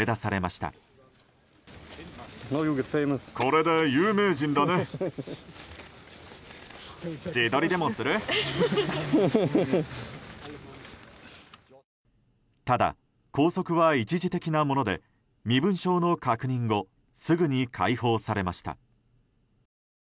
ただ、拘束は一時的なもので身分証の確認後すぐに解放されました。